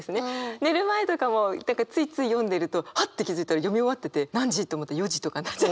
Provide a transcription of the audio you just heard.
寝る前とかもついつい読んでるとはっ！って気付いたら読み終わってて何時と思ったら４時とかなっちゃってた。